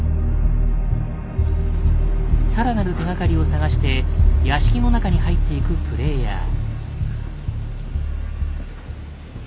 更なる手がかりを探して屋敷の中に入っていくプレイヤー。